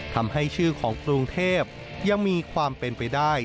ทำให้ชื่อของกรุงเทพยังมีความเป็นไปได้